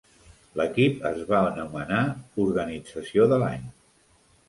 L'equip es va anomenar "Organització de l'Any"